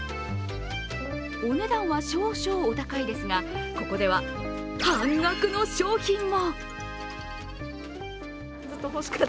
お値段は少々お高いですが、ここでは半額の商品も。